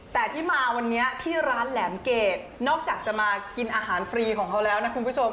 แต่ที่มาวันนี้ที่ร้านแหลมเกรดนอกจากจะมากินอาหารฟรีของเขาแล้วนะคุณผู้ชม